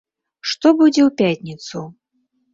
Што будзе ў пятніцу?